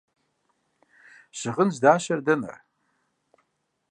Щыгъын здащэр дэнэ?